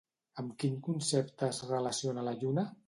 Amb quin concepte es relaciona la lluna?